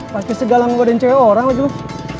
pakai segalanya gua dan cewek orang wajah